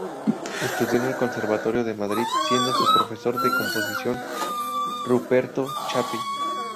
Estudió en el Conservatorio de Madrid, siendo su profesor de composición Ruperto Chapí.